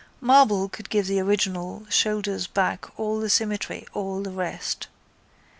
Marble could give the original, shoulders, back, all the symmetry, all the rest.